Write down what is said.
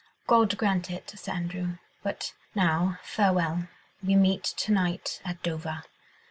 "God grant it, Sir Andrew. But now, farewell. We meet to night at Dover!